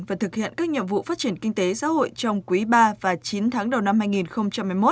và thực hiện các nhiệm vụ phát triển kinh tế xã hội trong quý ba và chín tháng đầu năm hai nghìn một mươi một